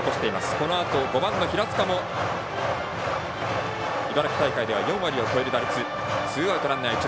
このあと５番の平塚も茨城大会では４割を超える打率。